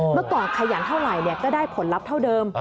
เมื่อก่อนขยันเท่าไหร่ก็ได้ผลลัพธ์เท่าเดิม